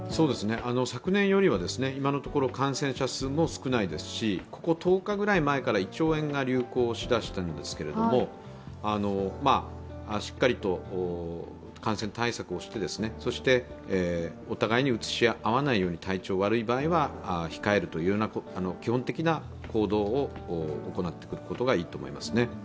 昨年よりは今のところ感染者数も少ないですしここ１０日ぐらい前から胃腸炎が流行しだしたんですけれどもしっかりと感染対策をしてお互いにうつし合わないように体調が悪い場合は控えるという基本的な行動を行うことがいいと思いますね。